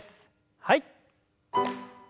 はい。